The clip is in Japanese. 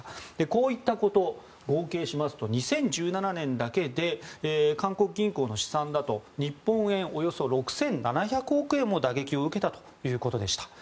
こういったこと合計しますと２０１７年だけで韓国銀行の試算だと日本円にしておよそ６７００億円も打撃を受けたということでした。